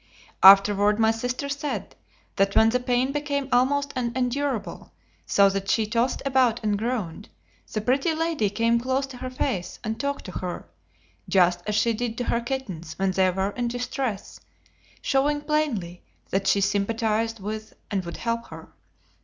Afterward, my sister said that when the pain became almost unendurable, so that she tossed about and groaned, the Pretty Lady came close to her face and talked to her, just as she did to her kittens when they were in distress, showing plainly that she sympathized with and would help her.